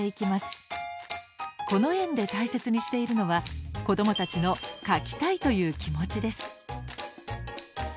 この園で大切にしているのは子どもたちの「描きたい！」という気持ちです。